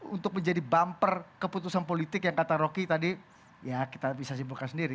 untuk menjadi bumper keputusan politik yang kata rocky tadi ya kita bisa simpulkan sendiri